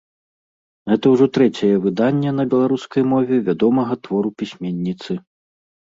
Гэта ўжо трэцяе выданне на беларускай мове вядомага твору пісьменніцы.